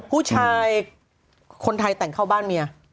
ผู้ชายคนไทยแต่งเข้าบ้านเมีย